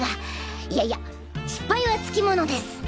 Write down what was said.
いやいや失敗はつきものです。